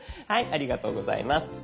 ありがとうございます。